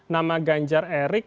nama ganjar erick